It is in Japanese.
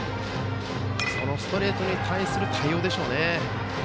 そのストレートに対する対応ですね。